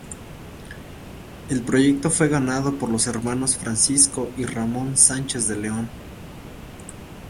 El proyecto fue ganado por los hermanos Francisco y Ramón Sánchez de León.